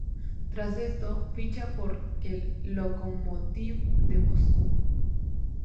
Tras esto, ficha por el Lokomotiv de Moscú.